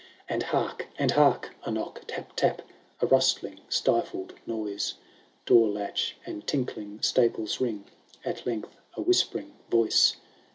And hark ! and hark ! a knock— Tap ! tap ! A rustling stifled noise; — Door latch and tinkling staples ring; — At length a whispering voice.